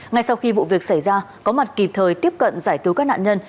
ngay sau khi vụ việc xảy ra có mặt kịp thời tiếp cận giải cứu các nạn nhân